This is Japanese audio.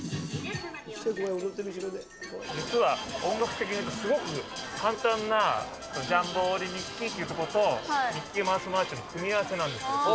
実は音楽的に言うと、すごく簡単な、ジャンボリミッキーっていうところと、ミッキーマウスマーチの組み合わせなんですよ。